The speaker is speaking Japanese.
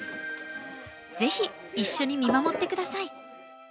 ぜひ一緒に見守って下さい。